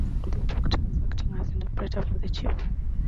They took turns acting as interpreter for the chief.